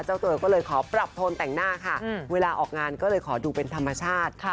เจ้าตัวก็เลยขอปรับโทนแต่งหน้าค่ะเวลาออกงานก็เลยขอดูเป็นธรรมชาติ